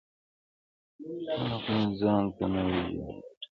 • هغه ځان ته نوی ژوند لټوي,